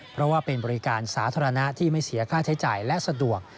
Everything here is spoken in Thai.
เพราะว่าเป็นบริการสาธารณะที่ไม่เสียค่าใช้จ่ายและสะดวก